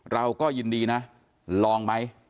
เราก็ยินดีนะลองไหม